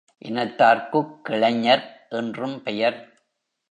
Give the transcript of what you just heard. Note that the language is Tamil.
இனத்தார்க்குக் கிளைஞர் என்றும்பெயர்.